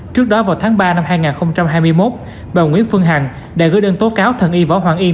trước đó vào tháng ba năm hai nghìn hai mươi một bà nguyễn phương hằng đã gửi đơn tố cáo thần y võ hoàng yên